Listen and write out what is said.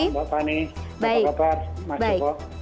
selamat malam pak ani bapak bapak mas joko